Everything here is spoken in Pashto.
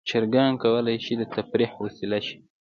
چرګان کولی شي د تفریح وسیله شي.